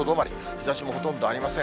日ざしもほとんどありません。